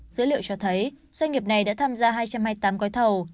dữ liệu cho thấy doanh nghiệp này đã tham gia hai trăm hai mươi tám gói thầu